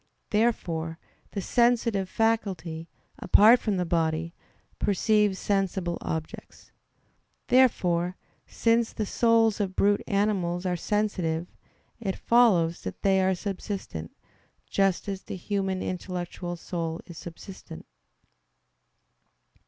Therefore the sensitive faculty, apart from the body, perceives sensible objects. Therefore, since the souls of brute animals are sensitive, it follows that they are subsistent; just as the human intellectual soul is subsistent.